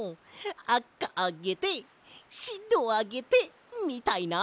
「あかあげてしろあげて」みたいな。